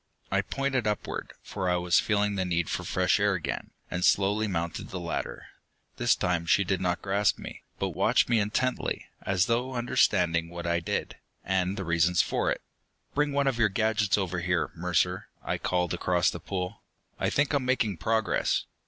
I pointed upward, for I was feeling the need for fresh air again, and slowly mounted the ladder. This time she did not grasp me, but watched me intently, as though understanding what I did, and the reasons for it. "Bring one of your gadgets over here, Mercer," I called across the pool. "I think I'm making progress."